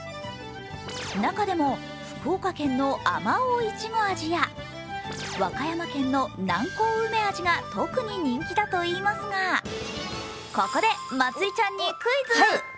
中でも、福岡県のあまおう苺味や和歌山県の南高梅味が特に人気だといいますがここで、まつりちゃんにクイズ。